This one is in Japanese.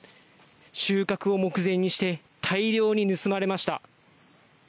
収穫を目前にして大量に盗まれました。